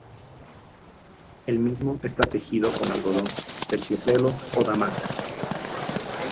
El mismo está tejido con algodón, terciopelo, o damasco.